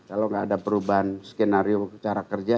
kalau nggak ada perubahan skenario cara kerja